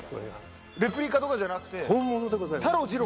レプリカとかじゃなくてタロジロ